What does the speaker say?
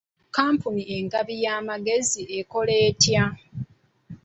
Kkampuni engabi y'amagezi ekola etya?